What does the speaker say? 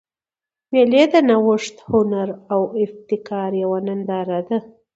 مېلې د نوښت، هنر او ابتکار یوه ننداره ده.